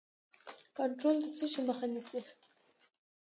کنټرول د څه شي مخه نیسي؟